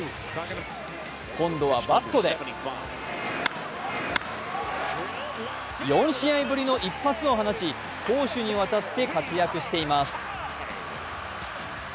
今度はバットで４試合ぶりの一発を放ち攻守にわたって活躍しています。